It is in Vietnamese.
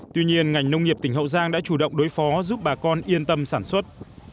tuy nhiên ngành nông nghiệp tỉnh hậu giang đã chủ động đối phó giúp bà con yên tâm sản xuất